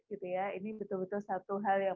gitu ya ini betul betul satu hal yang